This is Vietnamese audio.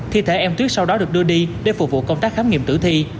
thi thể em tuyết sau đó được đưa đi để phục vụ công tác khám nghiệm tử thi